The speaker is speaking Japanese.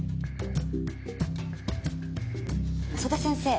曽田先生。